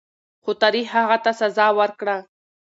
خو تاریخ هغه ته سزا ورکړه.